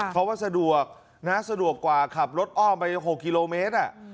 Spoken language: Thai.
เพราะว่าสะดวกนะสะดวกสะดวกกว่าขับรถอ้อมไป๖กิโลเมตร